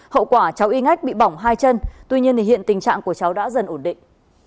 hậu quả cháu y ngách bị bỏng hai chân tuy nhiên hiện tình trạng của cháu đã dần ổn định